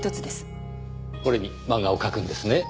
これに漫画を描くんですね。